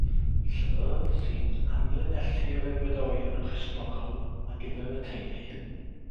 Llyfr sy'n amlinellu'r egwyddorion Cristnogol ar gyfer y teulu.